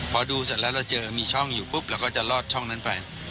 พอดูเสร็จแล้วเราเจอมีช่องอยู่ปุ๊บเราก็จะลอดช่องนั้นไป